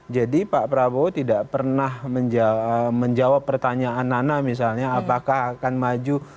jadi pak prabowo tidak pernah menjawab pertanyaan pertanyaan misalnya apakah akan maju